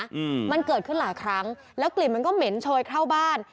อืมมันเกิดขึ้นหลายครั้งแล้วกลิ่นมันก็เหม็นโชยเข้าบ้าน